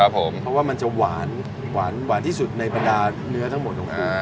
เพราะว่ามันจะหวานหวานที่สุดในประดาษณ์เนื้อทั้งหมดของปู